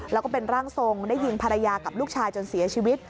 แล้วก็เป็นร่างทรงได้ยิงภรรยากับลูกชายจนเสียชีวิต